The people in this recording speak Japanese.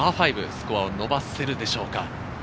スコアを伸ばせるでしょうか？